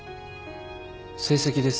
成績です。